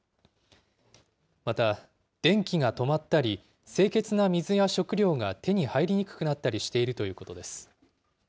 また電気が止まったり、清潔な水や食料が手に入りにくくなったりしているということです。